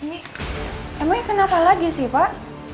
ini emang kenapa lagi sih pak